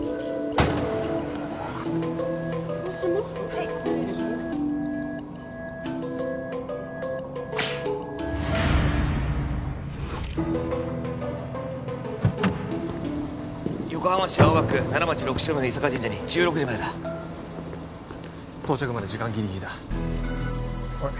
はい横浜市青葉区奈良町６丁目の伊坂神社に１６時までだ到着まで時間ギリギリだおい